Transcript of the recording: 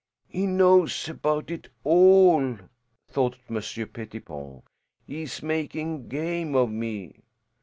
"He knows about it all," thought Monsieur Pettipon. "He is making game of me."